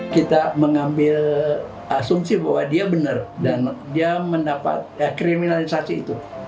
kita mengambil asumsi bahwa dia benar dan dia mendapat kriminalisasi itu